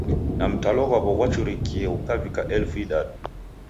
Na mtalo ghwaw'o ghwachurikie ghukavika elfu idadu.